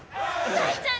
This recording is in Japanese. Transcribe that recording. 大ちゃん！